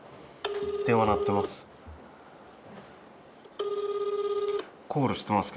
電話、鳴ってます。